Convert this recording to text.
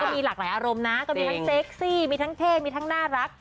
มีหลากหลายอารมณ์นะก็มีทั้งเซ็กซี่มีทั้งเท่มีทั้งน่ารัก